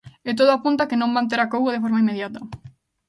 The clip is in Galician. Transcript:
E todo apunta a que non van ter acougo de forma inmediata.